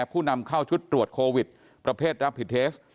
ผู้นำเข้าชุดตรวจโควิดประเภทรับผิดเทส